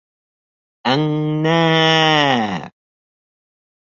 — Эң-ңә-ә!..